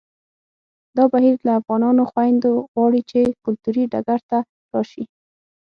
دا بهیر له افغانو خویندو غواړي چې کلتوري ډګر ته راشي